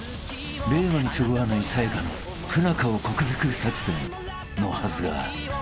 ［令和にそぐわないさや香の不仲を克服作戦のはずが］